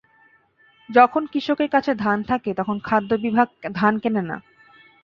যখন কৃষকের কাছে ধান থাকে, তখন খাদ্য বিভাগ ধান কেনে না।